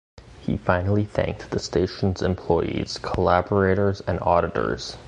He finally thanked the station’s employees, collaborators and auditors.